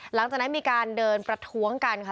หลังจากนั้นมีการเดินประท้วงกันค่ะ